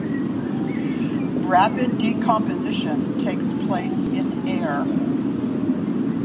Rapid decomposition takes place in air.